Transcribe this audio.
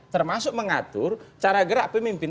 termasuk mengatur cara gerak pemimpin